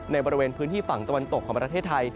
บริเวณพื้นที่ฝั่งตะวันตกของประเทศไทย